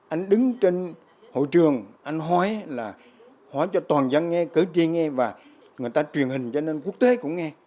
anh đứng trên hội trường anh hỏi là hỏi cho toàn dân nghe cử tri nghe và người ta truyền hình cho nên quốc tế cũng nghe